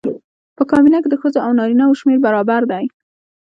په کابینه کې د ښځو او نارینه وو شمېر برابر دی.